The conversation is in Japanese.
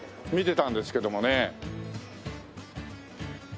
見てたんですけどもね。